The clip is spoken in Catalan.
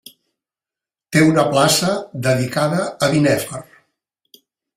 Té una plaça dedicada a Binèfar.